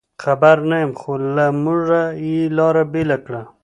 خبر نه یم، خو له موږه یې لار بېله کړه.